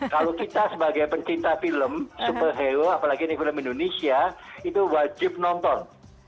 kalau kita sebagai pencinta film superhero apalagi ini film indonesia itu wajib nonton